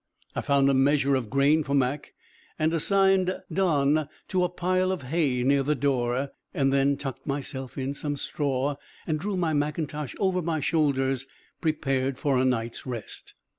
I found a measure of grain for Mac and assigned Don to a pile of hay near the door, then tucked myself in some straw and drew my mackintosh over my shoulders, prepared for a night's rest.